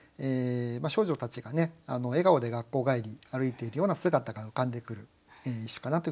少女たちが笑顔で学校帰りに歩いているような姿が浮かんでくる一首かなというふうに思います。